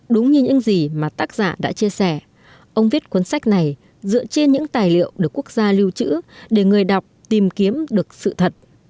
đúng như những gì mà tác giả đã chia sẻ ông viết cuốn sách này dựa trên những tài liệu được quốc gia lưu trữ để người đọc tìm kiếm được sự thật